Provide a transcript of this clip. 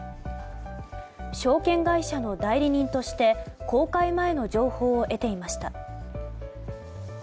証券会社の代理人として公開前の情報を得ていました。